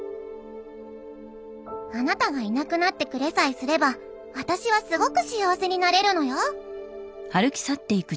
「あなたがいなくなってくれさえすれば私はすごく幸せになれるのよ！」。